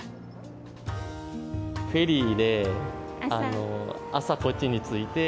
フェリーで朝こっちに着いて。